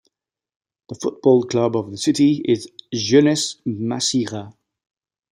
The football club of the city is Jeunesse Massira.